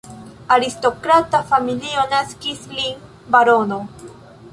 Aristokrata familio naskis lin barono.